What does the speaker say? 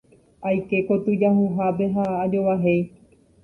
Aike kotyjahuhápe ha ajovahéi.